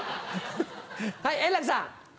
はい円楽さん。